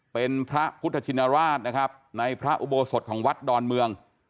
เป็นพระพุทธชินราชนะครับในพระอุโบสถของวัดดอนเมือง